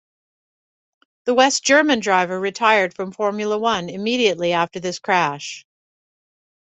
The West German driver retired from Formula One immediately after this crash.